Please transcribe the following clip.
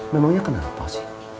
memangnya kenapa sih